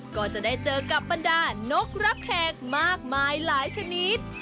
ก็จะได้เจอกับบรรดานกรับแขกมากมายหลายชนิด